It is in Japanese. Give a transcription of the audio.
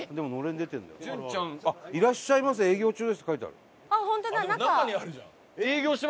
「いらっしゃいませ営業中です」って書いてある。